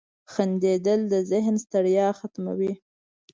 • خندېدل د ذهن ستړیا ختموي.